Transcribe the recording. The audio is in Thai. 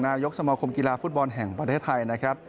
นายกสมาคมกีฬาฟุตบอลแห่งประเทศไทยนะครับ